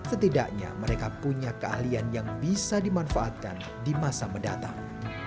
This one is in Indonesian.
setidaknya mereka punya keahlian yang bisa dimanfaatkan di masa mendatang